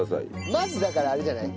まずだからあれじゃない？